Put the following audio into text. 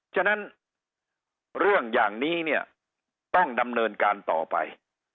ฉะนั้นเรื่องอย่างนี้เนี่ยต้องดำเนินการต่อไป